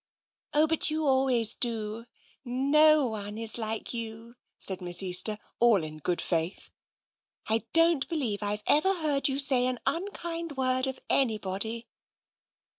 '''* Oh, but you always do ! No one is like you," said Miss Easter, in all good faith. " I don't believe I've ever heard you say an unkind word of anybody."